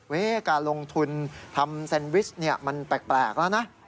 การลงทุนทำแซนวิชมันแปลกแล้วนะ